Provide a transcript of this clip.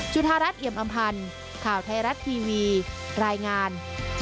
รัฐเอียมอำพันธ์ข่าวไทยรัฐทีวีรายงาน